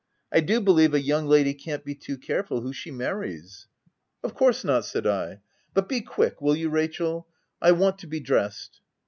I do believe a young lady can't be too careful who she marries.' '" Of course not,'* said I — "but be quick, will you, Rachel? I wan't to be dressed."